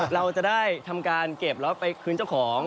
เราจะได้ทำการเก็บแล้วไปคืนเจ้าของ